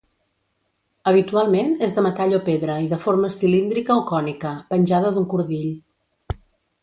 Habitualment és de metall o pedra i de forma cilíndrica o cònica, penjada d'un cordill.